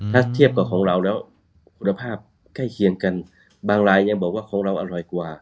ถ้าเทียบกับของเราแล้วคุณภาพใกล้เคียงกันบางรายยังบอกว่าของเราอร่อยกว่า